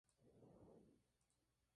Se encuentra en Mauricio y Reunión.